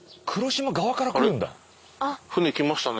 あれ船来ましたね。